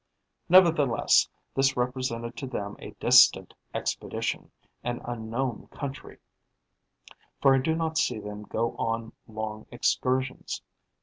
Nevertheless, this represented to them a distant expedition, an unknown country; for I do not see them go on long excursions.